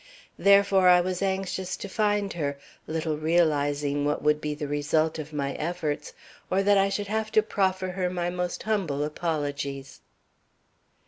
Therefore I was anxious to find her, little realizing what would be the result of my efforts, or that I should have to proffer her my most humble apologies."